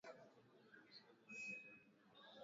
Nafsi yangu naiinua mbele zako.